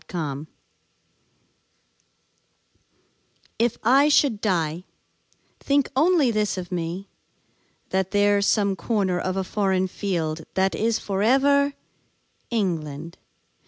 The Soldier If I should die, think only this of me: That there's some corner of a foreign field That is for ever England.